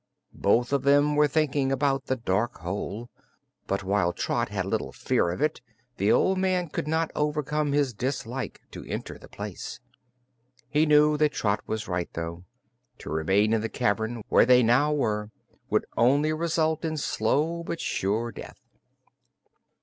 Both of them were thinking about the dark hole, but while Trot had little fear of it the old man could not overcome his dislike to enter the place. He knew that Trot was right, though. To remain in the cavern, where they now were, could only result in slow but sure death.